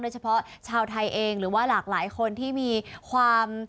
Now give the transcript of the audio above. เฉพาะชาวไทยเองหรือว่าหลากหลายคนที่มีความ